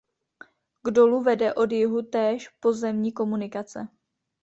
K dolu vede od jihu též pozemní komunikace.